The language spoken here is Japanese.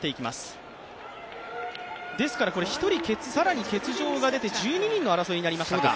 １人、更に欠場が出て１２人の争いになりましたか。